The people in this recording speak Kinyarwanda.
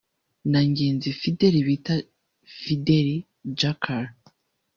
na Ngenzi Fidèle bita Fidèle Jacard